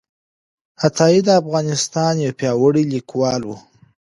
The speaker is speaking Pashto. عطايي د افغانستان یو پیاوړی لیکوال و.